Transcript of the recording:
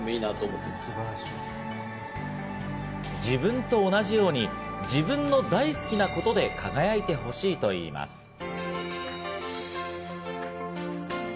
自分と同じように自分の大好きなことで輝いてほしいと言います。